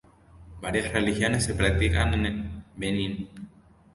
Varias religiones se practican en Benín.